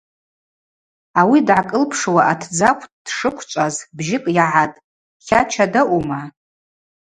Ауи дгӏакӏылпшуа атдзы акв дшыквчӏваз бжьыкӏ йагӏатӏ: – Тлача даъума?